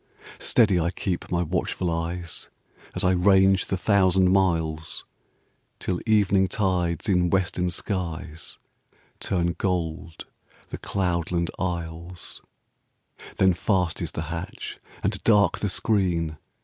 Steady I keep my watchful eyes, As I range the thousand miles. Till evening tides in western skies Turn gold the cloudland isles; Then fast is the hatch and dark the screen.